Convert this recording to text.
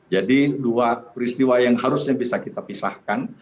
jadi dua peristiwa yang harusnya bisa kita pisahkan